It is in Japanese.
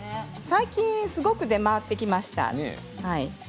最近すごく出回ってきました。